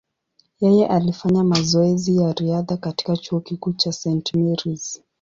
Yeye alifanya mazoezi ya riadha katika chuo kikuu cha St. Mary’s.